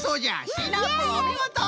シナプーおみごと！